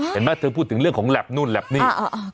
เห็นไหมเธอพูดถึงเรื่องของแล็บนู่นแหลบนี่